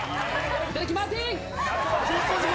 いただきマーティン！